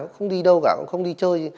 không đi đâu cả không đi chơi